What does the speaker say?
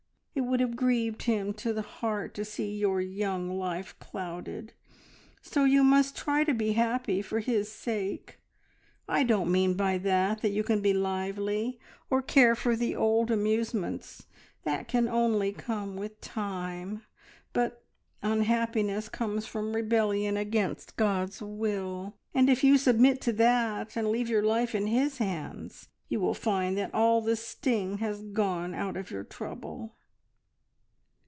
It would have grieved him to the heart to see your young life clouded, so you must try to be happy for his sake. I don't mean by that that you can be lively, or care for the old amusements; that can only come with time; but unhappiness comes from rebellion against God's will, and if you submit to that and leave your life in His hands, you will find that all the sting has gone out of your trouble."